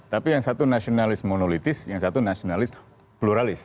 tapi yang satu nasionalis monolitis yang satu nasionalis pluralis